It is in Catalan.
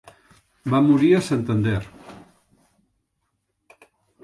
Va morir a Santander.